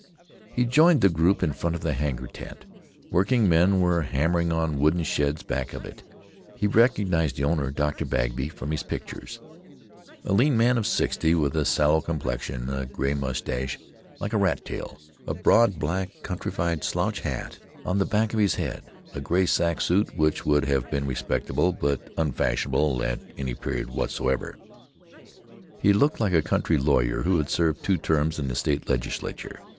He joined the group in front of the hangar tent. Workmen were hammering on wooden sheds back of it. He recognized the owner, Dr. Bagby, from his pictures: a lean man of sixty with a sallow complexion, a gray mustache like a rat tail, a broad, black countrified slouch hat on the back of his head, a gray sack suit which would have been respectable but unfashionable at any period whatsoever. He looked like a country lawyer who had served two terms in the state legislature.